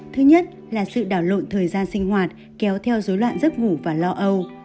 thứ nhất là sự đảo lộn thời gian sinh hoạt kéo theo dối loạn giấc ngủ và lo âu